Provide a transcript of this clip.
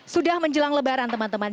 sudah menjelang lebaran teman teman